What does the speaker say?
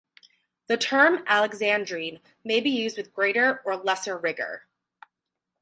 The term "alexandrine" may be used with greater or lesser rigor.